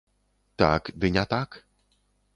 Так, ды не так.